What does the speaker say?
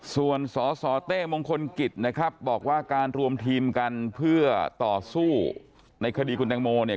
ส่วนสสเต้มงคลกิจนะครับบอกว่าการรวมทีมกันเพื่อต่อสู้ในคดีคุณแตงโมเนี่ย